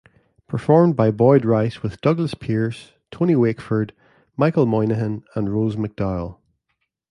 Performed by Boyd Rice with Douglas Pearce, Tony Wakeford, Michael Moynihan and Rose McDowall.